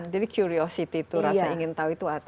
jadi curiosity itu rasa ingin tahu itu ada